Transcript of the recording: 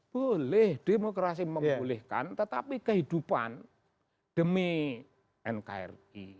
boleh demokrasi membolehkan tetapi kehidupan demi nkri